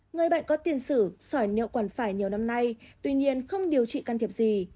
người bệnh có tiền sử sỏi niệu còn phải nhiều năm nay tuy nhiên không điều trị can thiệp gì